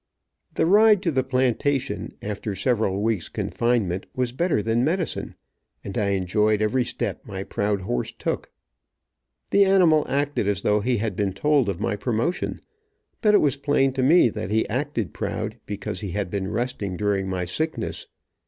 The ride to the plantation, after several weeks confinement, was better than medicine, and I enjoyed every step my proud horse took. The animal acted as though he had been told of my promotion, but it was plain to me that he acted proud, because he had been resting during my sickness.